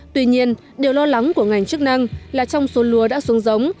tuy nhiên điều lo lắng của ngành chức năng là trong số lúa đã xuống giống